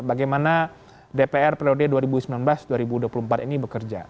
bagaimana dpr periode dua ribu sembilan belas dua ribu dua puluh empat ini bekerja